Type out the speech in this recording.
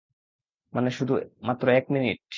মানে শুধু মাত্র এক মিনিট?